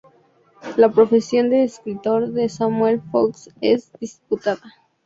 La profesión de escritor de Samuel Foxe es disputada.